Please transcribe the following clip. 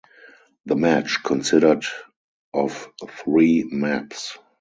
The match consisted of three maps.